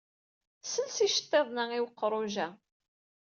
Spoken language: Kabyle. Sels iceṭṭiḍen-a i weqruj-a.